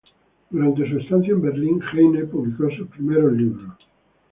Durante su estancia en Berlín Heine publicó sus primeros libros.